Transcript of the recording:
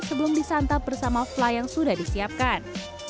sebelum disantap bersama fly yang sudah disiapkan